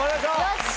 よし！